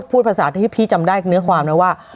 พูดประสาทที่พี่จำได้เนื้อความว่า